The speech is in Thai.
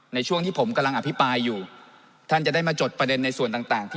ในช่วงที่ผมกำลังอภิปรายอยู่ท่านจะได้มาจดประเด็นในส่วนต่างที่